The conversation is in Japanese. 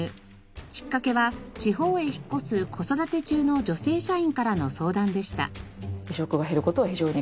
きっかけは地方へ引っ越す子育て中の女性社員からの相談でした。